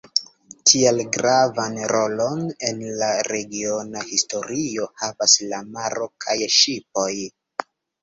Tial gravan rolon en la regiona historio havas la maro kaj ŝipoj.